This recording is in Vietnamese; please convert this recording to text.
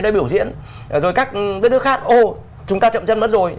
bắt đầu diễn rồi các đứa khác ơ chúng ta chậm chân mất rồi